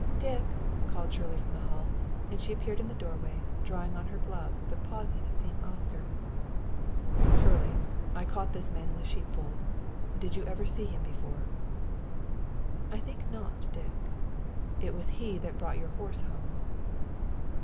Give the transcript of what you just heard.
"Dick!" called Shirley from the hall, and she appeared in the doorway, drawing on her gloves; but paused at seeing Oscar. "Shirley, I caught this man in the sheepfold. Did you ever see him before?" "I think not, Dick." "It was he that brought your horse home."